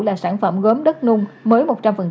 là sản phẩm gốm đất nung mới một trăm linh